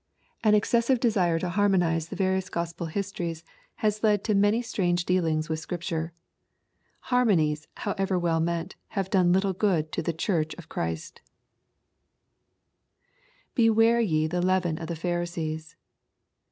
A.n excessive desire ta harmonize the various Gospel histories LUKE, CHAP. XII. 68 bas led to many strange dealings with Scripture. * Harmonies," however well meant, have done httle good to Le Church of Clirist [Beware ye of the leaven of the Pharisees.